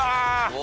お！